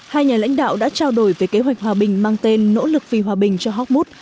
hai nhà lãnh đạo đã trao đổi về kế hoạch hòa bình mang tên nỗ lực vì hòa bình cho hocmood